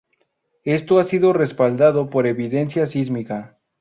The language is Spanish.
Esto ha sido respaldado por evidencia sísmica.